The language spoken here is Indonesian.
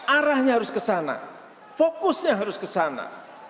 arahnya harus ke sana fokusnya harus ke sana